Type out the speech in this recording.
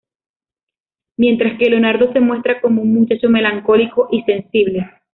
Mientras que Leonardo, se muestra como un muchacho melancólico y sensible.